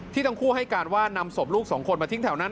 ทั้งคู่ให้การว่านำศพลูกสองคนมาทิ้งแถวนั้น